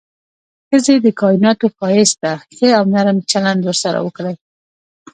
ښځې د کائناتو ښايست ده، ښه او نرم چلند ورسره وکړئ.